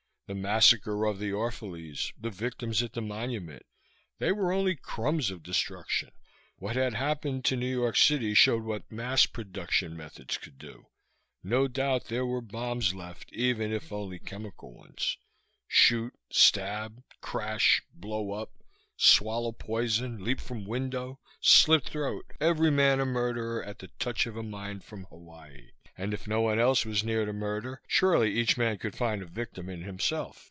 The massacre of the Orphalese, the victims at the Monument they were only crumbs of destruction. What had happened to New York City showed what mass production methods could do. No doubt there were bombs left, even if only chemical ones. Shoot, stab, crash, blow up; swallow poison, leap from window, slit throat. Every man a murderer, at the touch of a mind from Hawaii; and if no one else was near to murder, surely each man could find a victim in himself.